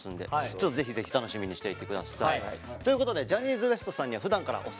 ちょっとぜひぜひ楽しみにしていてください。ということでジャニーズＷＥＳＴさんにはふだんからお世話になってる